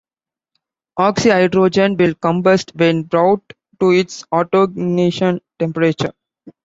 Oxyhydrogen will combust when brought to its autoignition temperature.